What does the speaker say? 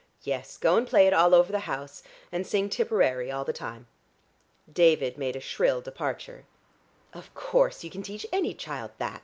"Yes, go and play it all over the house. And sing Tipperary all the time." David made a shrill departure. "Of course you can teach any child that!"